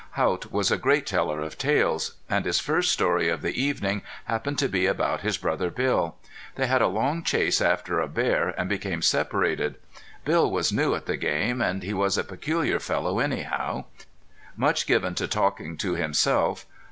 Haught was a great teller of tales, and his first story of the evening happened to be about his brother Bill. They had a long chase after a bear and became separated. Bill was new at the game, and he was a peculiar fellow anyhow. Much given to talking to himself!